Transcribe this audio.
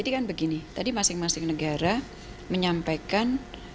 tadi kan begini tadi masing masing negara menyampaikan